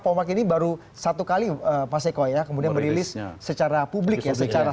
polmark ini baru satu kali mas eko ya kemudian merilis secara publik ya secara